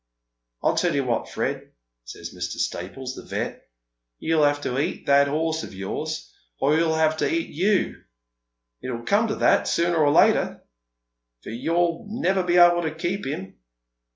' I'll tell you what, Fred,' says Mr. Staples, the Vet, ' you'll have to eat that horse of yours, or he'll have to eat you. It '11 come to that sooner or later, for you'll never be able to keep him.'